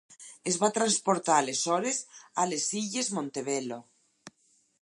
Es va transportar aleshores a les illes Montebello.